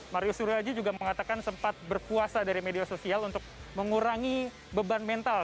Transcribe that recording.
mario suryoji juga mengatakan sempat berpuasa dari media sosial untuk mengurangi beban mental